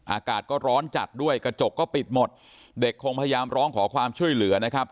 อากาศก็ร้อนจัดด้วยกระจกก็ปิดหมดเด็กคงพยายามร้องขอความช่วยเหลือนะครับ